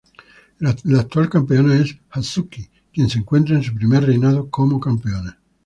La actual campeona es Hazuki, quien se encuentra en su primer reinado como campeona.